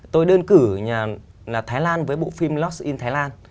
tôi đơn cử thái lan với bộ phim lost in thái lan